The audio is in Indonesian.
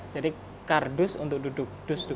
jadi kardus untuk duduk